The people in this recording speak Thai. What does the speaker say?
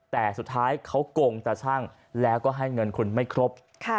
แต่สุดท้ายเขาโกงตาชั่งแล้วก็ให้เงินคุณไม่ครบ